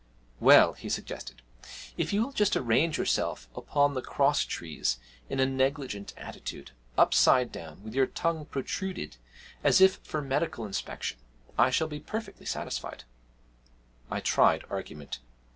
'Well,' he suggested, 'if you will just arrange yourself upon the cross trees in a negligent attitude, upside down, with your tongue protruded as if for medical inspection, I shall be perfectly satisfied.' I tried argument.